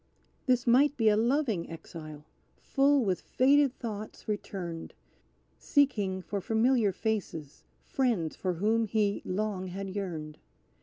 "This might be a loving exile, full with faded thoughts returned, Seeking for familiar faces, friends for whom he long had yearned.